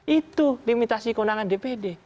itu limitasi kewenangan dpd